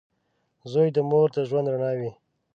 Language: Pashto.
• زوی د مور د ژوند رڼا وي.